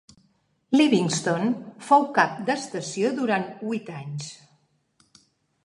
Livingston fou cap d'estació durant huit anys.